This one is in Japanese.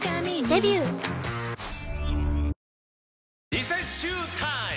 リセッシュータイム！